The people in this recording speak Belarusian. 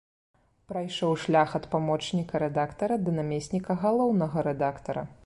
Прайшоў шлях ад памочніка рэдактара да намесніка галоўнага рэдактара.